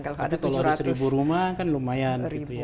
kalau ada tujuh ratus rumah kan lumayan